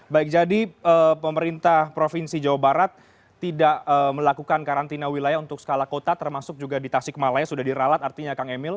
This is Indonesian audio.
baik jadi pemerintah provinsi jawa barat tidak melakukan karantina wilayah untuk skala kota termasuk juga di tasikmalaya sudah diralat artinya kang emil